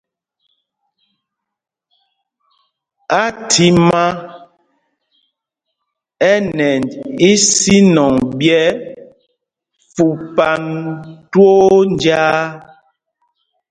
Athimá ɛ nɛnj isínɔŋ ɓyɛ́ fupan twóó njāā.